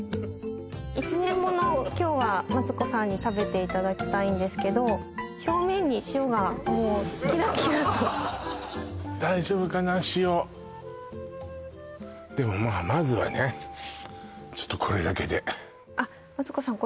１年物を今日はマツコさんに食べていただきたいんですけど表面に塩がもうキラキラと大丈夫かな塩でもまあまずはねちょっとこれだけであっマツコさん